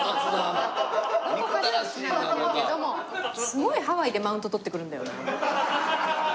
すごいハワイでマウントとってくるんだよな。